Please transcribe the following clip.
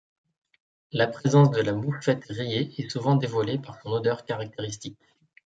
La présence de la mouffette rayée est souvent dévoilée par son odeur caractéristique.